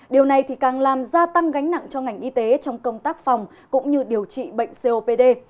điều này thì càng làm gia tăng gánh nặng cho ngành y tế trong công tác phòng cũng như điều trị bệnh copd